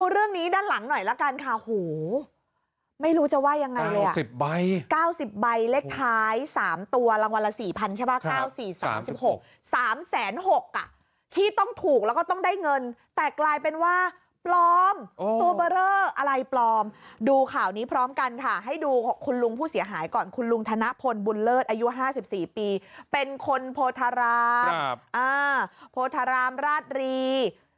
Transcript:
เรื่องนี้ด้านหลังหน่อยละกันค่ะหูไม่รู้จะว่ายังไงเลย๙๐ใบเลขท้าย๓ตัวรางวัลละ๔๐๐ใช่ไหม๙๔๓๖๓๖๐๐บาทที่ต้องถูกแล้วก็ต้องได้เงินแต่กลายเป็นว่าปลอมตัวเบอร์เรออะไรปลอมดูข่าวนี้พร้อมกันค่ะให้ดูคุณลุงผู้เสียหายก่อนคุณลุงธนพลบุญเลิศอายุ๕๔ปีเป็นคนโพธารามโพธารามราชรี